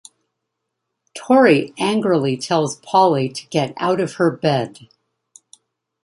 Tori angrily tells Paulie to get out of her bed.